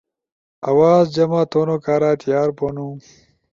آواز جمع تھونو کارا تیار بھونو؟